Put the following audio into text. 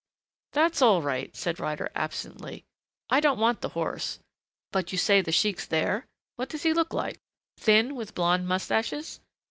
"That's all right," said Ryder absently. "I don't want the horse.... But you say the sheik's there? What does he look like? Thin with blond mustaches?"